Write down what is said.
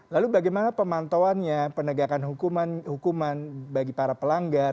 lalu bagaimana pemantauannya penegakan hukuman bagi para pelanggar